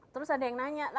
terus ada yang nanya